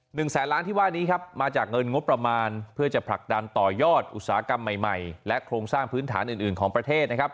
แสนล้านที่ว่านี้ครับมาจากเงินงบประมาณเพื่อจะผลักดันต่อยอดอุตสาหกรรมใหม่ใหม่และโครงสร้างพื้นฐานอื่นอื่นของประเทศนะครับ